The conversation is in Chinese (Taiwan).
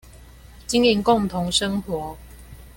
經營共同生活